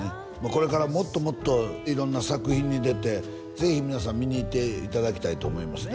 これからもっともっと色んな作品に出てぜひ皆さん見に行っていただきたいと思いますね